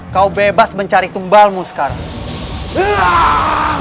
kau bebas mencari tumbalmu sekarang